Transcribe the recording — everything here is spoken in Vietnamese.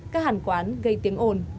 các hàng quán gây tiếng ồn